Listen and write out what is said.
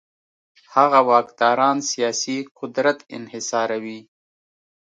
هغه واکداران سیاسي قدرت انحصاروي.